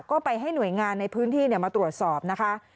ก็ไปให้หน่วยงานในพื้นที่มาตรวจสอบนะคะ